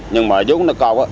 nhưng mà giống như nó còn